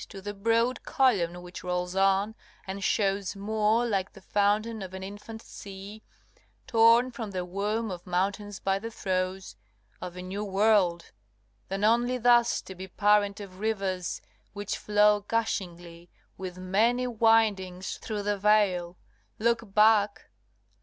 To the broad column which rolls on, and shows More like the fountain of an infant sea Torn from the womb of mountains by the throes Of a new world, than only thus to be Parent of rivers, which flow gushingly, With many windings through the vale: Look back!